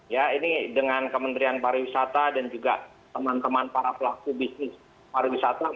ya ini dengan kementerian pariwisata dan juga teman teman para pelaku bisnis pariwisata